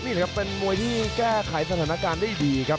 นี่แหละครับเป็นมวยที่แก้ไขสถานการณ์ได้ดีครับ